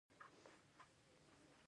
سپین ږیرو ته درناوی کیده